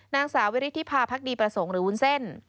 นางสาววิริธิพาพักดีประสงค์หรือวุ้นเส้น